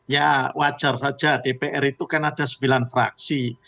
ya wajar saja dpr itu kan ada sembilan fraksi